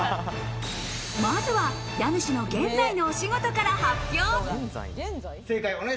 まずは家主の現在のお仕事から発表。